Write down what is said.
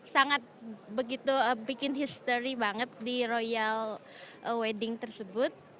sangat begitu bikin history banget di royal wedding tersebut